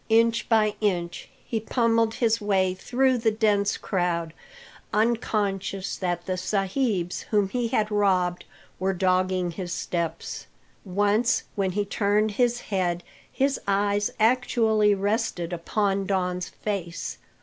Inch by inch he pummelled his way through the dense crowd, unconscious that the sahibs whom he had robbed were dogging his steps. Once when he turned his head his eyes actually rested upon Don's face.